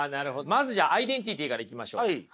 まずじゃあアイデンティティーからいきましょう。